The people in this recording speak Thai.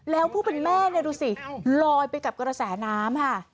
แล้วผู้เป็นแม่เนี่ยดูสิลอยไปกับกระแสน้ำค่ะ